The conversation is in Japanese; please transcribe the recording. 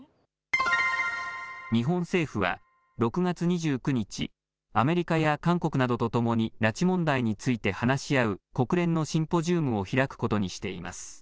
日本政府は６月２９日、アメリカや韓国などとともに拉致問題について話し合う国連のシンポジウムを開くことにしています。